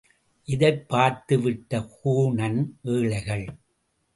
இதைப் பார்த்துவிட்ட கூணன், ஏழைகள்!